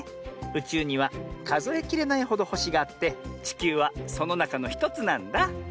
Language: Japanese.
うちゅうにはかぞえきれないほどほしがあってちきゅうはそのなかのひとつなんだ。